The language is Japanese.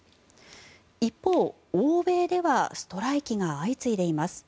一方、欧米ではストライキが相次いでいます。